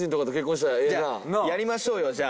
じゃやりましょうよじゃあ。